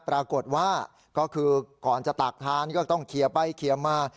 ปรากฏว่าก็คือก่อนจะตากทานก็ต้องเคลียร์ไปเคลียร์มา